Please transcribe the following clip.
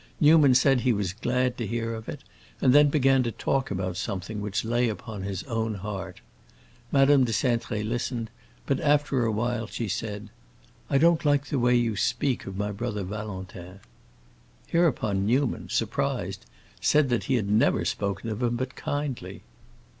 Newman said he was glad to hear of it, and then began to talk about something which lay upon his own heart. Madame de Cintré listened, but after a while she said, "I don't like the way you speak of my brother Valentin." Hereupon Newman, surprised, said that he had never spoken of him but kindly.